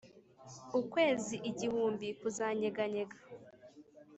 ukwezi igihumbi kuzanyeganyega;